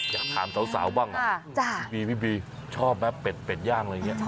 อยากทานสาวบ้าง